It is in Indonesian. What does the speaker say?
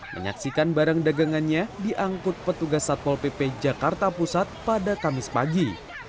menyaksikan barang dagangannya diangkut petugas satpol pp jakarta pusat pada kamis pagi